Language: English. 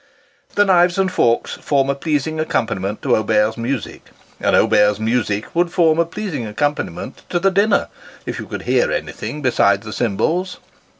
The knives and forks form a pleasing accompaniment to Auber's music, and Auber's music would form a pleasing accom paniment to the dinner, if yon could hear anything besides the cymbals.